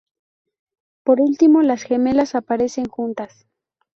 Por último, las gemelas aparecen juntas.